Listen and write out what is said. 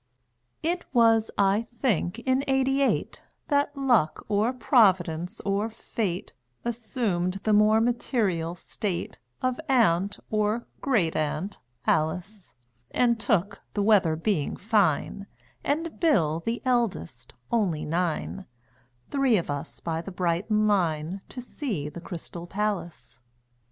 It was, I think, in '88 That Luck or Providence or Fate Assumed the more material state Of Aunt (or Great Aunt) Alice, And took (the weather being fine, And Bill, the eldest, only nine) Three of us by the Brighton line To see the Crystal Palace.